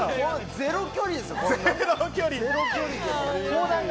ゼロ距離ですよ。